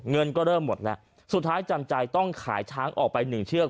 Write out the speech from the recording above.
เงินก็เริ่มหมดแล้วสุดท้ายจำใจต้องขายช้างออกไปหนึ่งเชือก